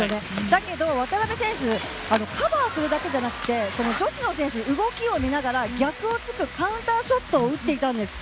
だけど、渡辺選手はカバーするだけじゃなくて女子の選手動きを見ながら逆を突くカウンターショットを打っていたんです。